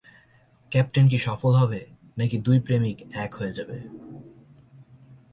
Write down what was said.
Captain কি সফল হবে নাকি দুই প্রেমিক এক হয়ে যাবে?